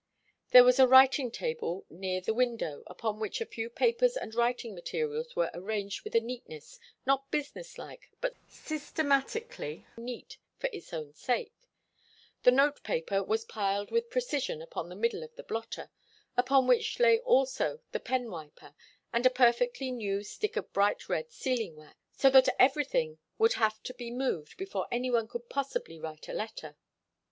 There was a writing table near the window, upon which a few papers and writing materials were arranged with a neatness not business like, but systematically neat for its own sake the note paper was piled with precision upon the middle of the blotter, upon which lay also the penwiper, and a perfectly new stick of bright red sealing wax, so that everything would have to be moved before any one could possibly write a letter.